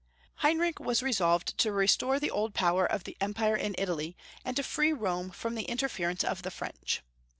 Heinrich was resolved to restore the old power of the empire in Italy, and to free Rome from the interference of the French.